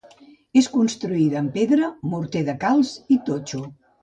És construïda en pedra, morter de calç i totxo.